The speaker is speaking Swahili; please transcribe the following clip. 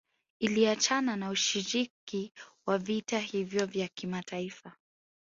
Iliachana na ushiriki wa vita hivyo vya mataifa